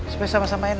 supaya sama sama enak